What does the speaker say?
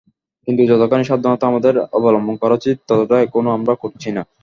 কিন্তু যতখানি সাবধানতা আমাদের অবলম্বন করা উচিত ততটা এখনো আমরা করছি না।